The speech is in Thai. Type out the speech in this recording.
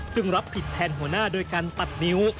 ซึ่งรับผิดแทนหัวหน้าโดยการตัดนิ้ว